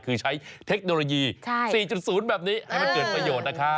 คือใช้เทคโนโลยี๔๐แบบนี้ให้มันเกิดประโยชน์นะครับ